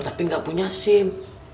tapi gak punya sim